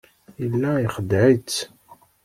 Yella ixeddeɛ-itt.